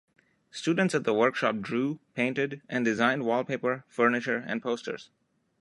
Students at the workshop drew, painted and designed wallpaper, furniture and posters.